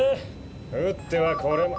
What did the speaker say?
撃ってはこれま。